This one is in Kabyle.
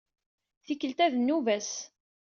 Tikkelt-a d nnuba-s.